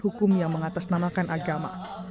hukum yang mengatasnamakan agama